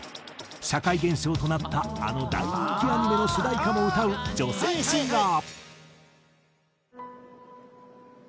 社会現象となったあの大人気アニメの主題歌も歌う女性シンガー。